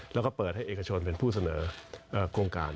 แล้วก็เปิดให้เอกชนเป็นผู้เสนอโครงการ